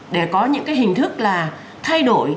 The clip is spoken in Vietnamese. để có những cái hình thức là thay đổi